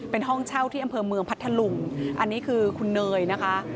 เป็นห้องเช่าที่อำเภอเมืองพัทธลุงอันนี้คือคุณเนยนะคะ